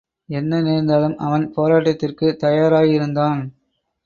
என்ன நேர்ந்தாலும் அவன் போராட்டத்திற்குத் தயாராயிருந்தான்.